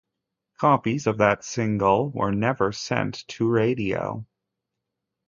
Copies of that single were never sent to radio.